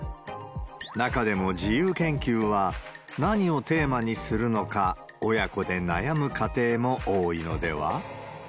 中でも自由研究は、何をテーマにするのか、親子で悩む家庭も多いのでは？